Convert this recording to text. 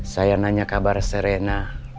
saya nanya kabar serena